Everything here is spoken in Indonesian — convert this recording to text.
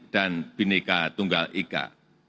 dan binika tunggal ika